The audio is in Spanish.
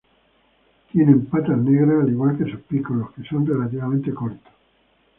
Tienen patas negras, al igual que sus picos, los que son relativamente cortos.